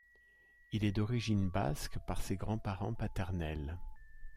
Il est d'origine basque par ses grands-parents paternels.